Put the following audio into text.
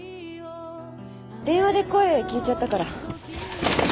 電話で声聞いちゃったから。